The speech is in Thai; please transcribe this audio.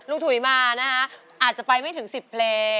ถุยมานะคะอาจจะไปไม่ถึง๑๐เพลง